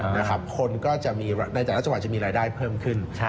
ในแต่ละจังหวัดจะมีรายได้เพิ่มขึ้น